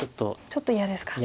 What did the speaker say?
ちょっと嫌ですか。